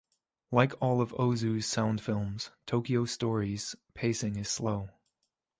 Like all of Ozu's sound films, "Tokyo Story"'s pacing is slow.